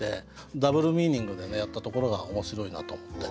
ダブルミーニングでやったところが面白いなと思って。